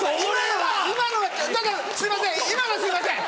すいません